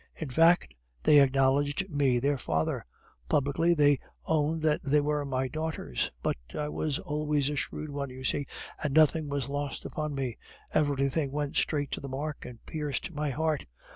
In fact, they acknowledged me their father; publicly they owned that they were my daughters. But I was always a shrewd one, you see, and nothing was lost upon me. Everything went straight to the mark and pierced my heart.